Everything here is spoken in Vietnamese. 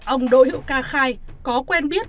ông đỗ hiệu ca khai có quen biết